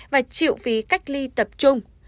và chịu phí cách ly tập trung